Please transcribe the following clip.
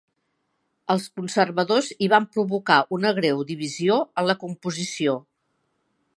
Els conservadors hi van provocar una greu divisió en la composició.